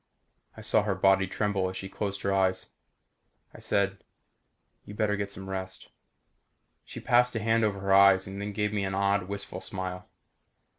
I saw her body tremble as she closed her eyes. I said, "You better get some rest." She passed a hand over her eyes and then gave me an odd wistful smile.